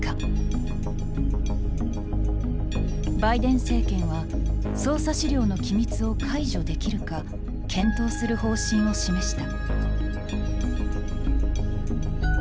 バイデン政権は捜査資料の機密を解除できるか検討する方針を示した。